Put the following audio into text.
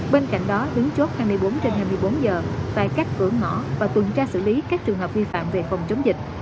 bên cạnh đó đứng chốt hai mươi bốn trên hai mươi bốn giờ phải cách vưởng mỏ và tuần tra xử lý các trường hợp vi phạm về phòng chống dịch